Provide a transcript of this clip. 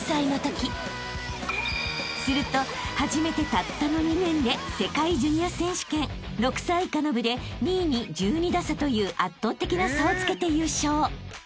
［すると始めてたったの２年で世界ジュニア選手権６歳以下の部で２位に１２打差という圧倒的な差をつけて優勝］